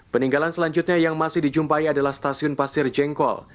peninggalan selanjutnya yang masih dijumpai adalah stasiun pasir jengkol